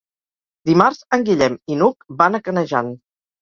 Dimarts en Guillem i n'Hug van a Canejan.